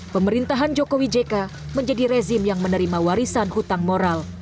pemerintahan jokowi jk menjadi rezim yang menerima warisan hutang moral